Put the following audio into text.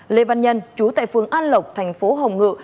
lê văn nhân chú tại phường an lộc thành phố hồng ngự